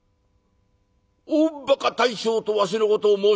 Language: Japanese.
大ばか大将とわしのことを申したか？」。